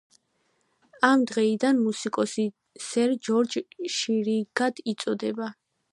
ამ დღიდან მუსიკოსი სერ ჯორჯ შირინგად იწოდება.